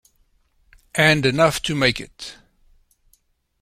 And enough to make it.